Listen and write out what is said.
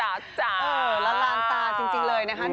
แล้วลานตาจริงเลยนะคะ